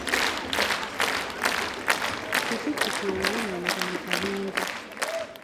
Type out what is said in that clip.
Ppikipiki ye yayonoonebwa mu kabenje.